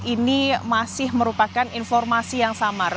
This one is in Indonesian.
ini masih merupakan informasi yang samar